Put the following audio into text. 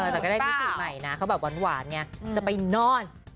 แต่ก็ได้มิติใหม่นะเขาแบบหวานไงจะไปนอน